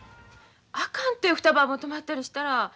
あかんて２晩も泊まったりしたら。